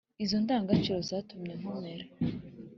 izo ndangagaciro zatumye nkomera,